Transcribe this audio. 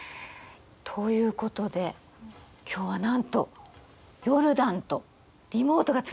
ということで今日はなんとヨルダンとリモートがつながってます。